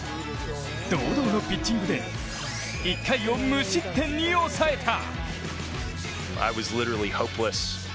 堂々のピッチングで１回を無失点に抑えた。